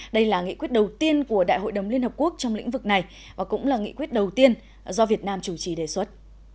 đây là nghị quyết đầu tiên của đại hội đồng liên hợp quốc trong lĩnh vực này và cũng là nghị quyết đầu tiên do việt nam chủ trì đề xuất